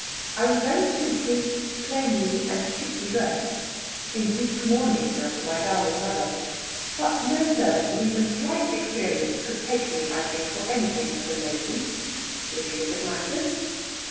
I was very simply, plainly, and cheaply dressed, in deep mourning still for my darling mother; but no servant of even slight experience could take me, I think, for anything but a lady; little as it matters.